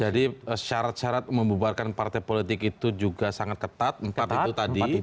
jadi syarat syarat membubarkan partai politik itu juga sangat ketat empat itu tadi